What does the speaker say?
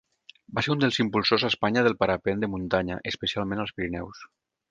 Va ser un dels impulsors a Espanya del parapent de muntanya, especialment als Pirineus.